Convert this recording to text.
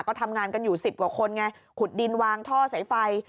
ก็ทำงานกันอยู่๑๐กว่าคนไงขุดดินวางท่อสายไฟ